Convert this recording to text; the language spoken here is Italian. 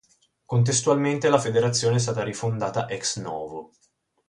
Contestualmente la federazione è stata rifondata ex-novo.